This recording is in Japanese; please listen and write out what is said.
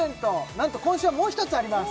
なんと今週はもう一つあります